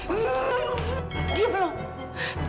enak aja dibikin siapa